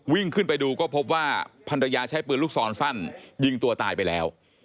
วิ่งขึ้นไปดูก็พบว่าภรรยาใช้ปืนลูกซอนสั้นยิงตัวตายไปแล้ว